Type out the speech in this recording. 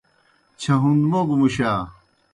چھہُوݩد موگوْ مُشا۔